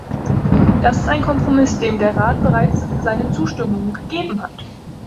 Das ist ein Kompromiss, dem der Rat bereits seine Zustimmung gegeben hat.